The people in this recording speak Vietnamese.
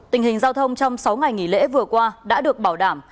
tình hình giao thông trong sáu ngày nghỉ lễ vừa qua đã được bảo đảm